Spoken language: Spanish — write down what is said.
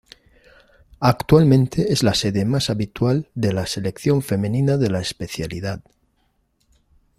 Actualmente es la sede más habitual de la selección femenina de la especialidad.